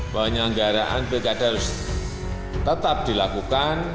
penyelenggaraan pilkada harus tetap dilakukan